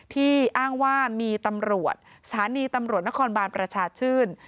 อ้างว่ามีตำรวจสถานีตำรวจนครบานประชาชื่น